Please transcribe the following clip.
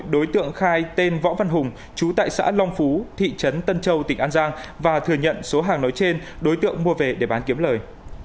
đối tượng khai tên võ văn hùng chú tại xã long phú thị trấn tân châu tỉnh an giang và thừa nhận số hàng nói trên đối tượng mua về để bán kiếm lời